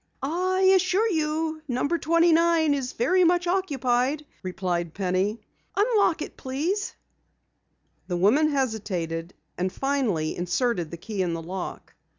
"I assure you number 29 is very much occupied," replied Penny. "Unlock it, please." The woman hesitated, and finally inserted the key in the lock.